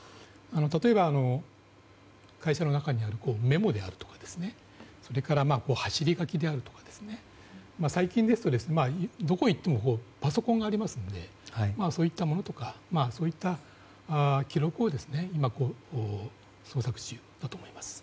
例えば、会社の中にあるメモであるとかそれから走り書きであるとか最近ですとどこにいってもパソコンがありますのでそういったものとかそういう記録を今、捜索中だと思います。